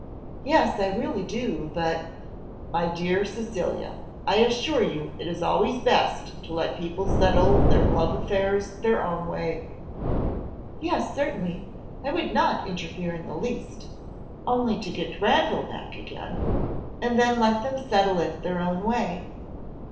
"Yes, I really do, but " "My dear Cecilia, I assure you it is always best to let people settle their love affairs their own way." "Yes, certainly I would not interfere in the least only to get Granville back again and then let them settle it their own way.